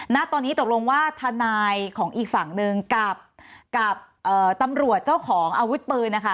ณตอนนี้ตกลงว่าทนายของอีกฝั่งหนึ่งกับตำรวจเจ้าของอาวุธปืนนะคะ